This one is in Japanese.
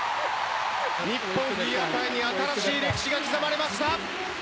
日本フィギュア界に新しい歴史が刻まれました。